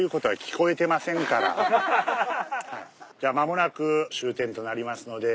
じゃ間もなく終点となりますので。